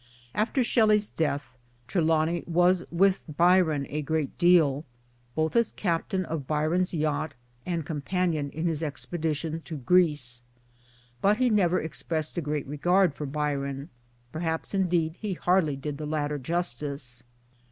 After Shelley's death Trelawny was with Byron 120 MY DAYS AND DREAMS a great deal, both as Captain of Byron's yacht and! companion in his expedition to Greece ; but he never expressed a great regard for Byron perhaps indeed he hardly did the latter justice.